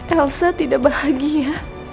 elsa tidak bahagia